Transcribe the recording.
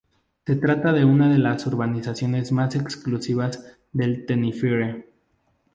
Se trata de una de las urbanizaciones más exclusivas de Tenerife.